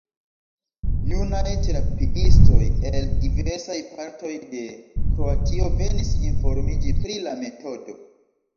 Junaj terapiistoj el diversaj partoj de Kroatio venis informiĝi pri la metodo.